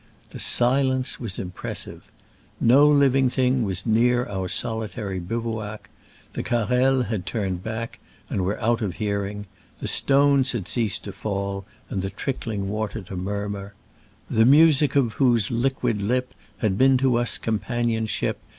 The silence was impress ive. No living thing was near our soli tary bivouac; the Carrels had turned back and were out of hearing; the stones had ceased to fall and the trick ling water to murmur —*' The music of whose liquid lip Had been to us companionship.